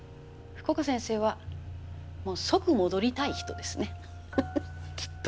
福岡先生はもう即戻りたい人ですねきっと。